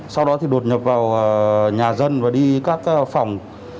sau đó thì đột nhập vào nhà dân và đi các phòng